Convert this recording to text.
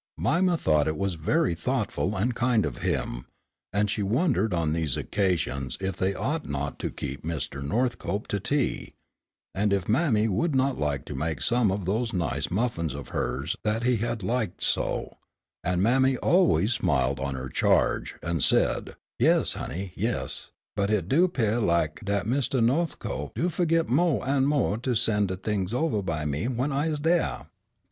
Mima thought it was very thoughtful and kind of him, and she wondered on these occasions if they ought not to keep Mr. Northcope to tea, and if mammy would not like to make some of those nice muffins of hers that he had liked so, and mammy always smiled on her charge, and said, "Yes, honey, yes, but hit do 'pear lak' dat Mistah No'thcope do fu'git mo' an' mo' to sen' de t'ings ovah by me w'en I's daih."